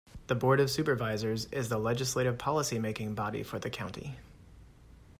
The Board of Supervisors is the legislative policy making body for the County.